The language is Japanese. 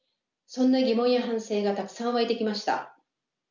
そんな疑問や反省がたくさん湧いてきました。